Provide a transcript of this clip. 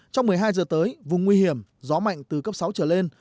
trong một mươi hai giờ tới vùng nguy hiểm gió mạnh từ cấp sáu trở lên